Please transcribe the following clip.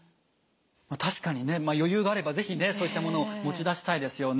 確かにね余裕があれば是非ねそういったものを持ち出したいですよね。